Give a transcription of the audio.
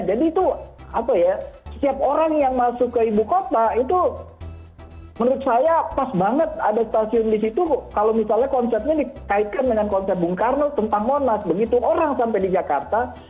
jadi itu apa ya setiap orang yang masuk ke ibu kota itu menurut saya pas banget ada stasiun di situ kalau misalnya konsepnya dikaitkan dengan konsep bung karno tentang monas begitu orang sampai di jakarta